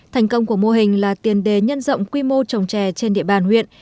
thành công của mô hình là tiền đề nhân rộng quy mô trồng trè trên địa bàn huyện